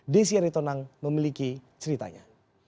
desi aritonang memiliki ceritanya